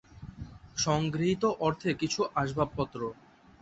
সংগৃহীত অর্থে কিছু আসবাবপত্র।